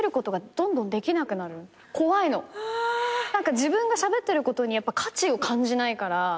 自分がしゃべってることに価値を感じないから。